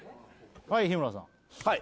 はい日村さんはい